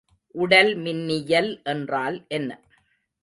உடல்மின்னியல் என்றால் என்ன?